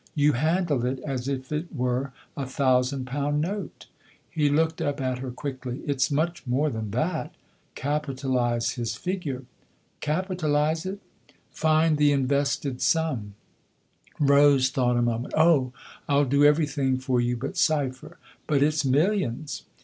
"You handle it as if it were a thousand pound note '" He looked up at her quickly. " It's much more than that. Capitalise his figure." "' Capitalise ' it ?"" Find the invested sum." Rose thought a moment. "Oh, I'll do every thing for you but cipher ! But it's millions."